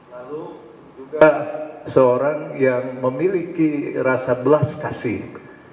lalu juga seorang yang memiliki rasa belas kasih